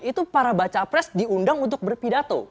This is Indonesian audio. itu para baca pres diundang untuk berpidato